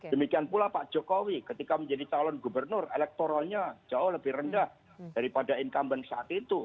demikian pula pak jokowi ketika menjadi calon gubernur elektoralnya jauh lebih rendah daripada incumbent saat itu